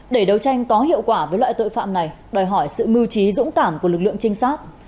để đấu tranh có hiệu quả với loại tội phạm này đòi hỏi sự mưu trí dũng cảm của lực lượng trinh sát